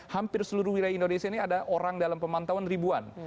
hampir seluruh wilayah indonesia ini ada orang dalam pemantauan ribuan